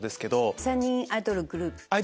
３人アイドルグループ。